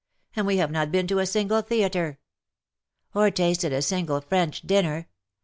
And we have not been to a single theatre.^'' '' Or tasted a single French dinner.''''